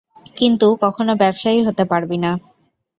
কিন্তু কখনো ব্যবসায়ী হতে পারবি না।